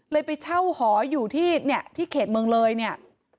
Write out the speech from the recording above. ไปเช่าหออยู่ที่เนี่ยที่เขตเมืองเลยเนี่ย